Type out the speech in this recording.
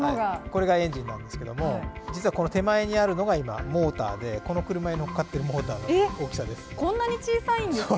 これがエンジンなんですけども実は手前にあるものがモーターでこの車に載っかってるモーターの大きさです。